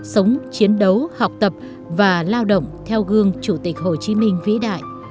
sống chiến đấu học tập và lao động theo gương chủ tịch hồ chí minh vĩ đại